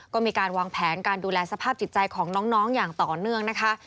ก็มีการวางแผนการดูแลสภาพจิตใจของน้องอย่างต่อเนื่องนะคะ